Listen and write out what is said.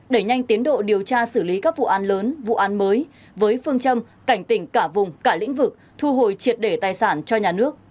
đẩy nhanh tiến độ điều tra xử lý các vụ an lớn vụ án mới với phương châm cảnh tỉnh cả vùng cả lĩnh vực thu hồi triệt để tài sản cho nhà nước